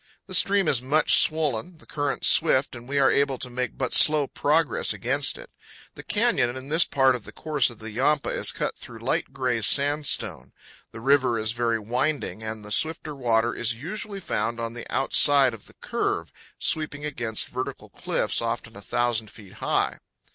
The stream is much swollen, the current swift, and we are able to make but slow progress against it. The canyon in this part of the course of the Yampa is cut through light gray sandstone. The river is very winding, and the swifter water is usually powell canyons 114.jpg THE RESCUE. 170 CANYONS OF THE COLORADO. found on the outside of the curve, sweeping against vertical cliffs often a thousand feet high.